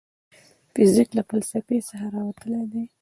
فزیک له فلسفې څخه راوتلی دی.